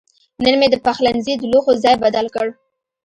نن مې د پخلنځي د لوښو ځای بدل کړ.